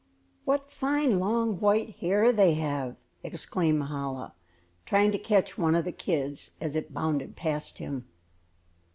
"What fine long white hair they have," exclaimed Mahala, trying to catch one of the kids as it bounded past him.